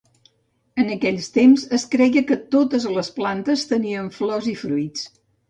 En aquells temps es creia que totes les plantes tenien flors i fruits.